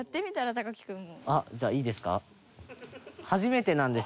隆貴君：じゃあ、いいですか？